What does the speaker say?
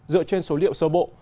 dựa trên số liệu sơ bộ